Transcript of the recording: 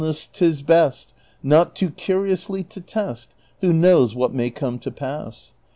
s 't is best Not too curiously to test : Who knows what may come to pass?